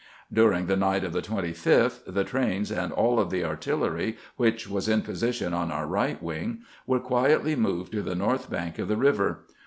During the night of the 25th the trains and all of the artillery, which was in position on our right wing, were quietly moved to the north bank of the river.